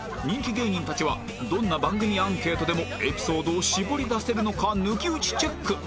人気芸人たちはどんな番組アンケートでもエピソードを絞り出せるのか抜き打ちチェック